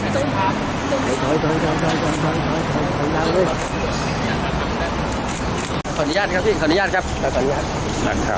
แรกอัลยิ์กระเบิดที่สนุกเพื่อนภารกิจ